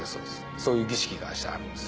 そういう儀式が明日あるんです。